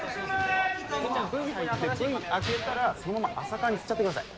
Ｖ入ってＶ明けたらそのまま浅川に振っちゃってください。